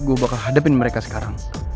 gue bakalhadepin mereka sekarang